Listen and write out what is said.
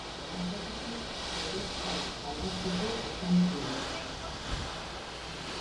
Horregatik, proiektua aldatzeko esan zion.